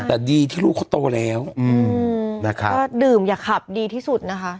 แต่ดีที่ลูกเขาโตแล้วอืมนะครับก็ดื่มอย่าขับดีที่สุดนะคะ